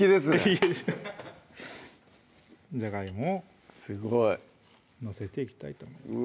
いやいやじゃがいもをすごい載せていきたいと思います